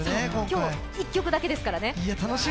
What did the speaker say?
今日は１曲だけですからね。